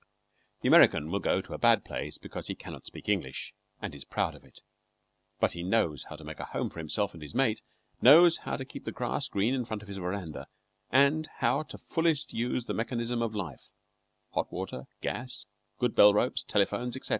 The American will go to a bad place because he cannot speak English, and is proud of it; but he knows how to make a home for himself and his mate, knows how to keep the grass green in front of his veranda, and how to fullest use the mechanism of life hot water, gas, good bell ropes, telephones, etc.